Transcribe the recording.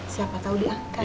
siapa tau diangkat